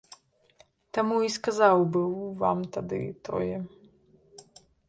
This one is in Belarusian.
Таму і сказаў быў вам тады тое.